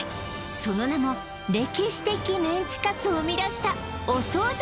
その名も歴史的メンチカツを生み出したお惣菜